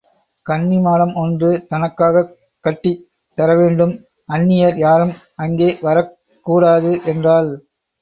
கன்னிமாடம் ஒன்று தனக்காகக் கட்டித் தரவேண்டும் அன்னியர் யாரும் அங்கே வரக் கூடாது என்றாள்.